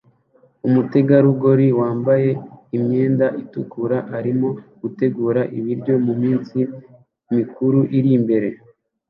Umutegarugori wambaye imyenda itukura arimo gutegura ibiryo muminsi mikuru iri imbere